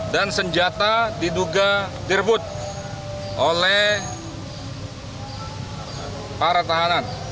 dan senjata diduga direbut oleh para tahanan